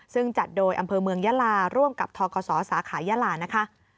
ซึ่งจัดโดยอำเภอเมืองยาลาร่วมกับทกศสาขายานะคะ